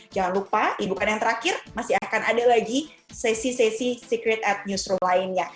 jangan lupa bukan yang terakhir masih akan ada lagi sesi sesi secret at newsroom lainnya